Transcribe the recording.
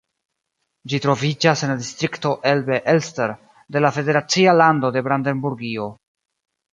Ĝi troviĝas en la distrikto Elbe-Elster de la federacia lando Brandenburgio.